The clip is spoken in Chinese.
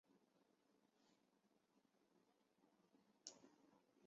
东汉建安中分匈奴左部居此。